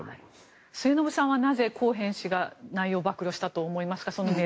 末延さんはなぜコーヘン氏が内容を暴露したと思いますか。